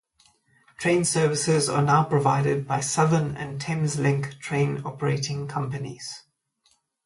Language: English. Train services are now provided by Southern and Thameslink train operating companies.